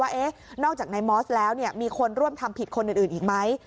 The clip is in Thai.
ว่านอกจากนายมอสแล้วมีคนร่วมทำผิดคนอื่นอีกไหม